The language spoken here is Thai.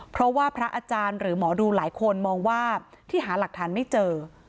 เพราะว่าพระอาจารย์หรือหมอดูหลายคนมองว่าที่หาหลักฐานไม่เจอ